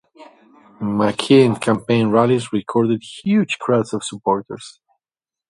Makinde campaign rallies recorded huge crowds of supporters.